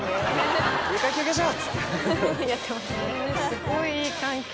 すごいいい関係。